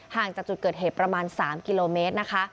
ห่างจากจุดเกิดเหตุประมาณ๓กิโลเมตร